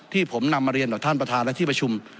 ที่ผมนำมาเรียนต่อท่านประธานและที่ประชุม